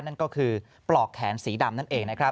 นั่นก็คือปลอกแขนสีดำนั่นเองนะครับ